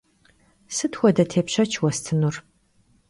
Sıt xuede têpşeç vuestınur?